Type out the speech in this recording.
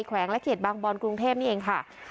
วงและเขตบางบอนกรุงเทพนี่เองค่ะ